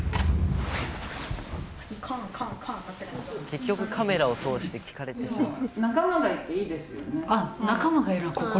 結局カメラを通して聞かれてしまう。